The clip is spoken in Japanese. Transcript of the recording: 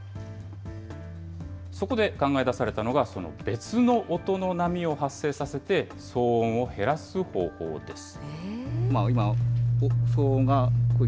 そこで考え出されたのが、その別の音の波を発生させて、騒音を減らす方法です。